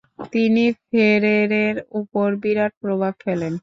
তিনি ফেরেরের উপর বিরাট প্রভাব ফেলেন।